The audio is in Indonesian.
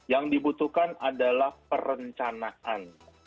yang dibutuhkan adalah perencanaan